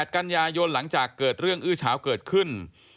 กันยายนหลังจากเกิดเรื่องอื้อเฉาเกิดขึ้น